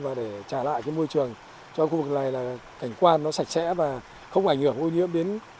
và để trả lại cái môi trường cho khu vực này là cảnh quan nó sạch sẽ và không ảnh hưởng ô nhiễm đến